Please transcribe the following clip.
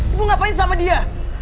ibu ngapain sama dia